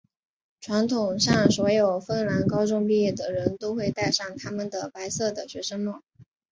传统上所有芬兰高中毕业的人都会带上他们的白色的学生帽。